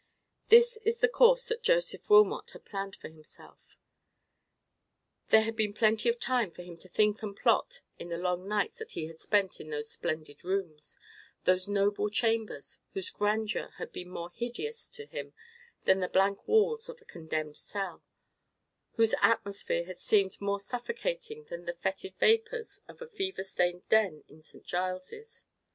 This is the course that Joseph Wilmot had planned for himself. There had been plenty of time for him to think and plot in the long nights that he had spent in those splendid rooms—those noble chambers, whose grandeur had been more hideous to him than the blank walls of a condemned cell; whose atmosphere had seemed more suffocating than the foetid vapours of a fever tainted den in St. Giles's.